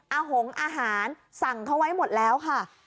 หงอาหารสั่งเขาไว้หมดแล้วค่ะ